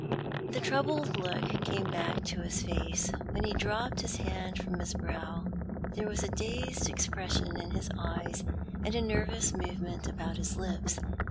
The troubled look came back to his face. When he dropped his hand from his brow there was a dazed expression in his eyes, and a nervous movement about his lips.